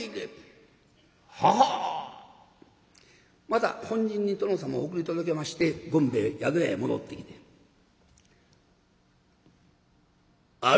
また本陣に殿様を送り届けまして権兵衛宿屋へ戻ってきて「主！